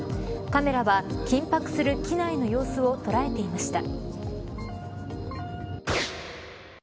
カメラは緊迫する機内の様子を捉えていました。